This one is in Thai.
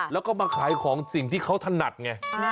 แล้วก็มาขายของสิ่งที่เขาถนัดไง